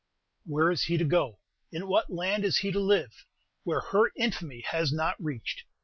Where is he to go? In what land is he to live, where her infamy has not reached?